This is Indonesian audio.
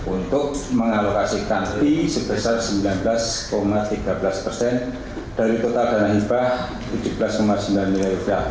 untuk mengalokasikan pi sebesar sembilan belas tiga belas persen dari total dana hibah rp tujuh belas sembilan miliar